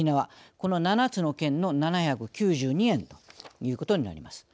この７つの県の７９２円ということになります。